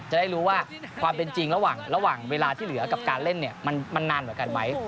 จะได้รู้ว่าความเป็นจริงระหว่างเวลาที่เหลือกับการเล่นเนี่ยมันนานเหมือนกันไหม